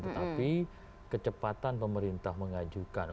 tetapi kecepatan pemerintah mengajukan